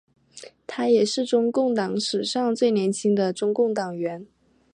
他也是中共党史上最年轻的中央委员。